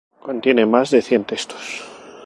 Contiene más de cien textos.